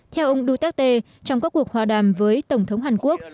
theo ông duterte trong các cuộc hòa đàm với tổng thống hàn quốc